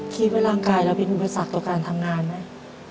คิดว่าร่างกายเราเป็นอุปสรรคต่อการทำงานไหม